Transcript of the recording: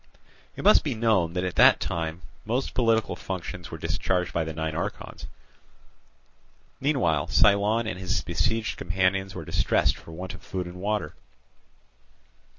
It must be known that at that time most political functions were discharged by the nine archons. Meanwhile Cylon and his besieged companions were distressed for want of food and water.